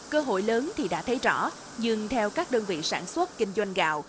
cơ hội lớn thì đã thấy rõ nhưng theo các đơn vị sản xuất kinh doanh gạo